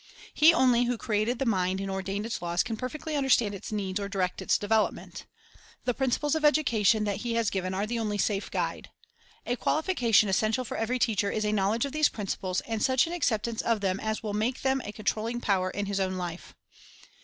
He only who created the mind and ordained its laws can perfectly understand its needs or direct its ljudges ij: 12. Preparation 277 development. The principles of education that He has given are the only safe guide. A qualification essential for every teacher is a knowledge of these principles, and such an acceptance of them as will make them a con trolling power in his own life.